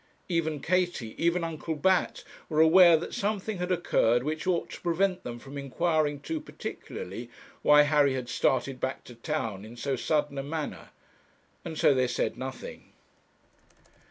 Even Katie, even Uncle Bat, were aware that something had occurred which ought to prevent them from inquiring too particularly why Harry had started back to town in so sudden a manner; and so they said nothing.